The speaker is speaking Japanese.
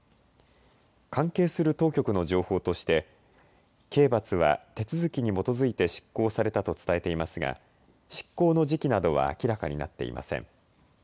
関係する当局の情報として刑罰は手続きに基づいて執行されたと伝えていますが執行の時期などは明らかになっていません。